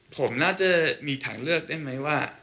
ผมน่าจะมีถังเลือกได้ไหมว่า